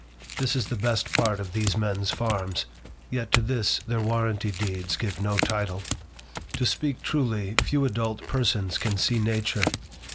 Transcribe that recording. This is the best part of these men's farms, yet to this their warranty deeds give no title. To speak truly, few adult persons can see nature.